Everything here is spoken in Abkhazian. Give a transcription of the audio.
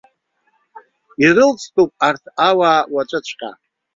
Ирылҵтәуп арҭ ауаа уаҵәыҵәҟьа!